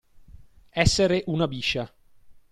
Essere una biscia.